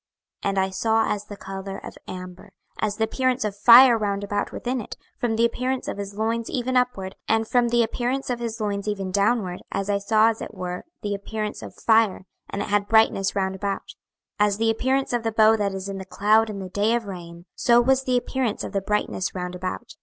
26:001:027 And I saw as the colour of amber, as the appearance of fire round about within it, from the appearance of his loins even upward, and from the appearance of his loins even downward, I saw as it were the appearance of fire, and it had brightness round about. 26:001:028 As the appearance of the bow that is in the cloud in the day of rain, so was the appearance of the brightness round about.